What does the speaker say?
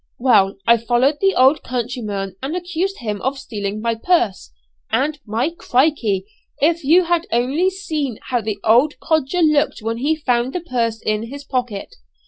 Well, I followed the old countryman and accused him of stealing my purse. And, my Crikey! if you had only seen how the old codger looked when he found the purse in his pocket.